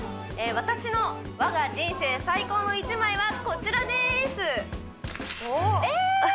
私の我が人生最高の一枚はこちらですえー！